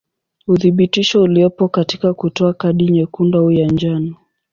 Uthibitisho uliopo katika kutoa kadi nyekundu au ya njano.